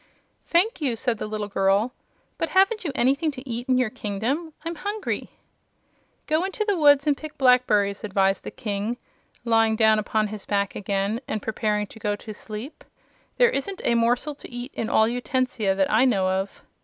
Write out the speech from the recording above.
"Thank you," said the little girl. "But haven't you anything to eat in your kingdom? I'm hungry." "Go into the woods and pick blackberries," advised the King, lying down upon his back again and preparing to go to sleep. "There isn't a morsel to eat in all Utensia, that I know of."